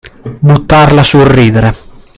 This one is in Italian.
Buttarla sul ridere.